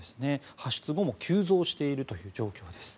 発出後も急増している状況です。